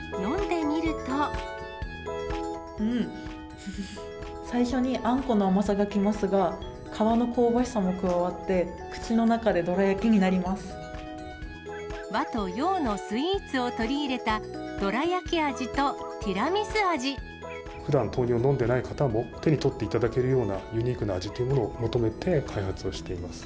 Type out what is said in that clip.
うん、最初にあんこの甘さがきますが、皮の香ばしさも加わって、口の中和と洋のスイーツを取り入れふだん豆乳を飲んでいない方も、手に取っていただけるような、ユニークな味というのを求めて開発をしています。